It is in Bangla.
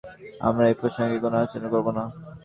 আমরা এই প্রসঙ্গে কোনো আলোচনা করবো না।